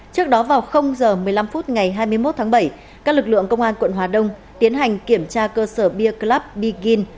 trước đó vào h một mươi năm phút ngày hai mươi một tháng bảy các lực lượng công an quận hà đông tiến hành kiểm tra cơ sở beer club begin